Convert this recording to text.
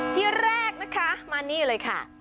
ที่แรกนะคะมานี่เลยค่ะ